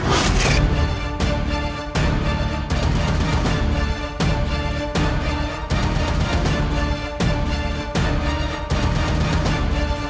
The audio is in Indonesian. apalagi hanya dengan seorang diri